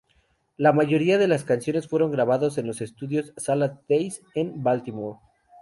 La mayoría de las canciones fueron grabadas en los estudios Salad Days, en Baltimore.